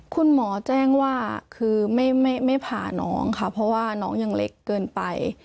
คุณหมอแจ้งว่าคือไม่ผ่าน้องค่ะเพราะว่าน้องยังเล็กเกินไป